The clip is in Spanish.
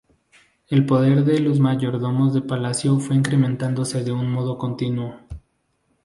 El poder de los mayordomos de palacio fue incrementándose de un modo continuo.